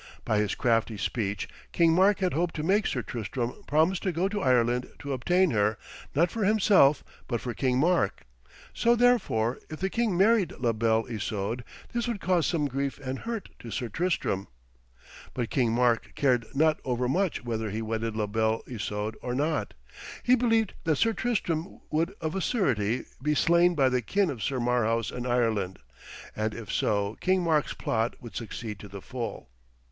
By his crafty speech King Mark had hoped to make Sir Tristram promise to go to Ireland to obtain her, not for himself, but for King Mark. So, therefore, if the king married La Belle Isoude, this would cause some grief and hurt to Sir Tristram. But King Mark cared not overmuch whether he wedded La Belle Isoude or not. He believed that Sir Tristram would of a surety be slain by the kin of Sir Marhaus in Ireland, and, if so, King Mark's plot would succeed to the full.